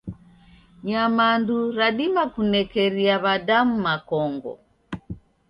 Nyamandu radima kunekeria w'adamu makongo.